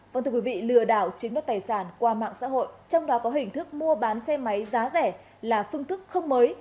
vâng thưa quý vị lừa đảo chiếm đất tài sản qua mạng xã hội trong đó có hình thức mua bán xe máy giá rẻ là phương thức không mới